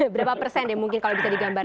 berapa persen ya mungkin kalau bisa digambarkan